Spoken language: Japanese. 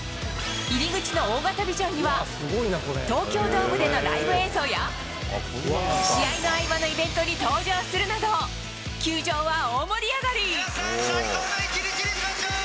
入り口の大型ビジョンには、東京ドームでのライブ映像や、試合の合間のイベントに登場するなど、球場は大盛り上がり。